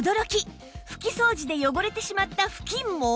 拭き掃除で汚れてしまった布巾も